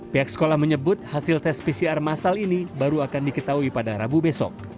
pihak sekolah menyebut hasil tes pcr masal ini baru akan diketahui pada rabu besok